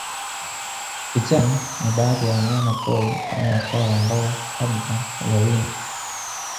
Pichani ni baadhi ya wanyama pori aina ya swala ambao Hadza huwawinda